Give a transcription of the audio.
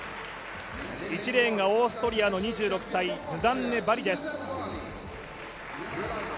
１レーンがオーストリアの２６歳、ズザンネ・バリです。